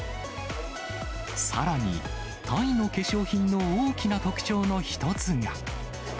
さらに、タイの化粧品の大きな特徴の一つが。